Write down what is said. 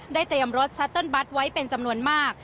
เตรียมรถซัตเติ้ลบัตรไว้เป็นจำนวนมาก